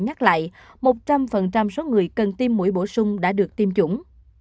nhắc lại một trăm linh số người cần tiêm mũi bổ sung đã được tiêm chủng